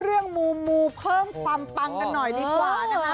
มูเพิ่มความปังกันหน่อยดีกว่านะคะ